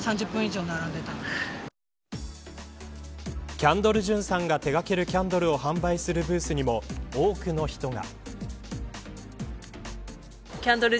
キャンドル・ジュンさんが手掛けるキャンドルを販売するブースにも多くの人が。